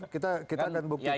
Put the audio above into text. kita akan buktikan